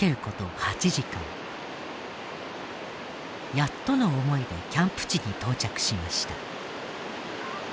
やっとの思いでキャンプ地に到着しました。